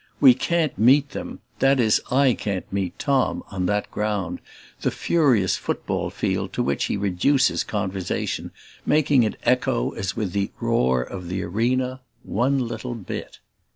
We can't meet them that is I can't meet Tom on that ground, the furious football field to which he reduces conversation, making it echo as with the roar of the arena one little bit.